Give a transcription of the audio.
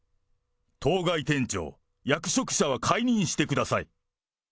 当該店長、役職者は解任してください。